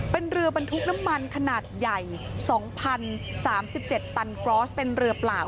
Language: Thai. เป็นเรือบรรทุกน้ำมันขนาดใหญ่๒๐๓๗ตันกรอสเป็นเรือเปล่า